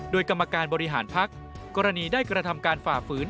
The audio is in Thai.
โดยกรรมการบริหารพักกรณีได้กระทำการฝ่าฝืน